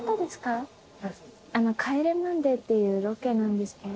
『帰れマンデー』っていうロケなんですけど。